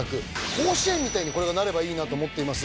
甲子園みたいにこれがなればいいなと思っています。